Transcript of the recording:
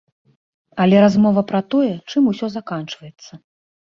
Але размова пра тое, чым усё заканчваецца.